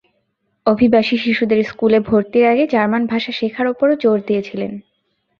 অভিবাসী শিশুদের স্কুলে ভর্তির আগে জার্মান ভাষা শেখার ওপরও জোর দিয়েছিলেন।